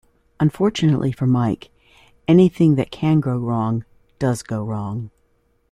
Unfortunately for Mike, anything that can go wrong does go wrong.